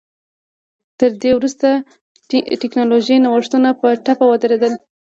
تر دې وروسته ټکنالوژیکي نوښتونه په ټپه ودرېدل